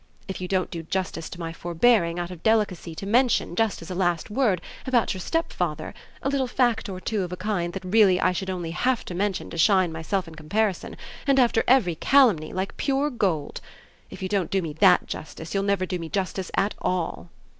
If you don't do justice to my forbearing, out of delicacy, to mention, just as a last word, about your stepfather, a little fact or two of a kind that really I should only HAVE to mention to shine myself in comparison, and after every calumny, like pure gold: if you don't do me THAT justice you'll never do me justice at all!"